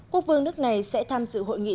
quốc vương nước này sẽ tham dự hội nghị